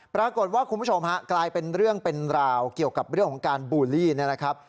คุณผู้ชมฮะกลายเป็นเรื่องเป็นราวเกี่ยวกับเรื่องของการบูลลี่เนี่ยนะครับ